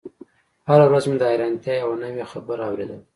هره ورځ مې د حيرانتيا يوه نوې خبره اورېدله.